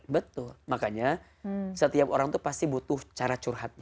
betul makanya setiap orang itu pasti butuh cara curhatnya